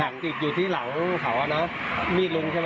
หักติดอยู่ที่หลังเขาแล้วมีลุงใช่ไหม